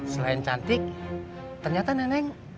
selain cantik ternyata nenek